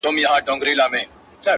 راغی پر نړۍ توپان ګوره چي لا څه کیږي!.